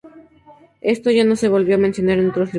Esto ya no se volvió a mencionar en otros libros.